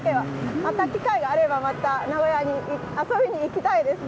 また機会があれば名古屋に遊びに行きたいです。